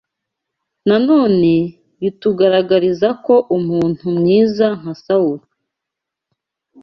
Nanone bitugaragariza ko umuntu mwiza nka Sawuli